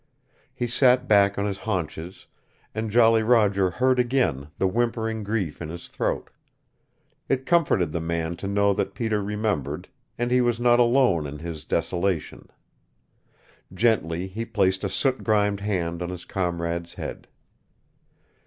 He sat back on his haunches, and Jolly Roger heard again the whimpering grief in his throat. It comforted the man to know that Peter remembered, and he was not alone in his desolation. Gently he placed a soot grimed hand on his comrade's head.